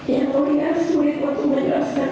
yang mulia sulit untuk menjelaskan